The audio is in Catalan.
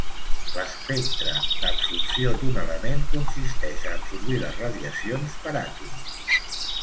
L'espectre d'absorció d'un element consisteix a absorbir les radiacions per àtoms.